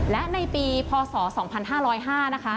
และในปีพศ๒๕๐๕นะคะ